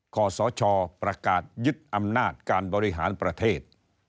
ขอสชประกาศยึดอำนาจการบริหารประเทศ